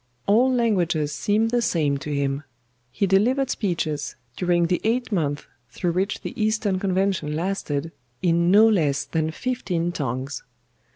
All languages seem the same to him; he delivered speeches during the eight months through which the Eastern Convention lasted, in no less than fifteen tongues.